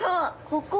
ここ？